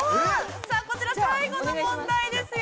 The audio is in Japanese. ◆こちら、最後の問題ですよ。